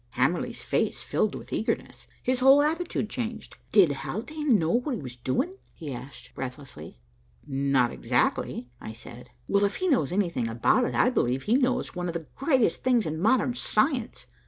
Hamerly's face filled with eagerness. His whole attitude changed. "Did Haldane know what he was doing?" he asked breathlessly. "Not exactly," I said. "Well if he knows anything about it, I believe he knows one of the greatest things in modern science.